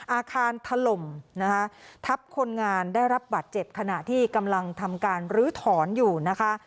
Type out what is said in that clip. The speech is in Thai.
ถล่มนะคะทับคนงานได้รับบัตรเจ็บขณะที่กำลังทำการลื้อถอนอยู่นะคะ